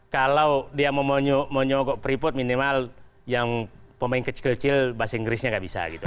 kalau dia mau nyokok free forth minimal yang pemain kecil kecil bahasa inggrisnya nggak bisa gitu